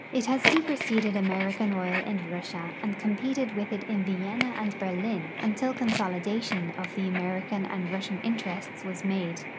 It has superseded American oil in Russia and competed with it in Vienna and Berlin until consolidation of the American and Russian interests was made.